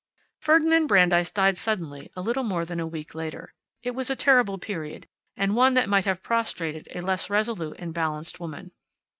Ferdinand Brandeis died suddenly a little more than a week later. It was a terrible period, and one that might have prostrated a less resolute and balanced woman.